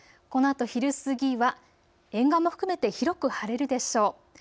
このあと昼過ぎは沿岸も含めて広く晴れるでしょう。